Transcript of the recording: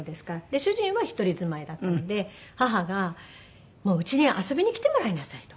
主人は一人住まいだったので母が「もううちに遊びに来てもらいなさい」と。